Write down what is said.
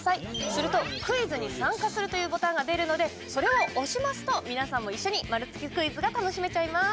するとクイズに参加するというボタンが出るのでそれを押しますと皆さんも一緒に丸つけクイズが楽しめちゃいます。